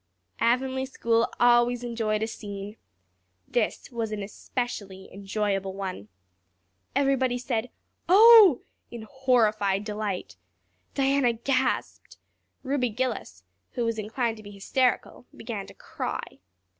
Avonlea school always enjoyed a scene. This was an especially enjoyable one. Everybody said "Oh" in horrified delight. Diana gasped. Ruby Gillis, who was inclined to be hysterical, began to cry.